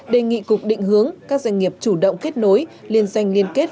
đề nghị cục định hướng các doanh nghiệp chủ động kết nối liên doanh liên kết